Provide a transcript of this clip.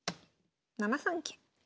７三桂。